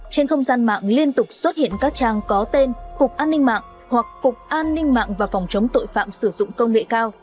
trên không gian mạng liên tục xuất hiện các trang có tên cục an ninh mạng hoặc cục an ninh mạng và phòng chống tội phạm sử dụng công nghệ cao